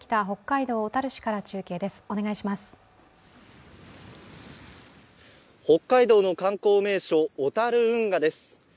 北海道の観光名所、小樽運河です。